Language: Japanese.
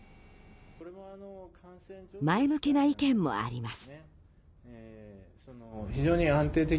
前向きな意見もあります。